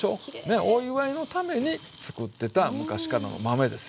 お祝いのために作ってた昔からの豆ですよね。